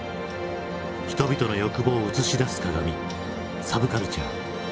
人々の欲望を映し出す鏡サブカルチャー。